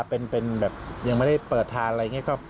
เป็นแบบยังไม่ได้เปิดทานอะไรอย่างนี้